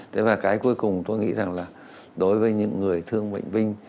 thế và cái cuối cùng tôi nghĩ rằng là đối với những người thương bệnh binh